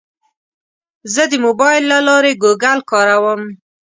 زه د موبایل له لارې ګوګل کاروم.